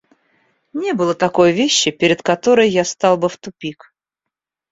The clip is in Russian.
Не было такой вещи, перед которой я встал бы в тупик.